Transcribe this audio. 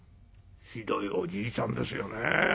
ひどいおじいちゃんですよね。